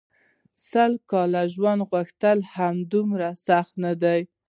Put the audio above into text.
سوکاله ژوند غوښتل هم دومره سخت نه دي.